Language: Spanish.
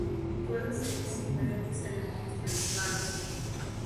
Se suele servir en diferentes ceremonias tradicionales.